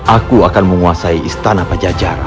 aku akan menguasai istana pajajaran